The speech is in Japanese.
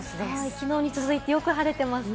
きのうに続いて、よく晴れてますね。